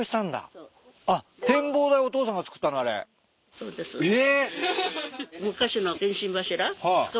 そうです。え！